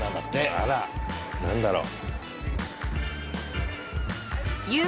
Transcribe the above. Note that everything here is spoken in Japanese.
あら何だろう。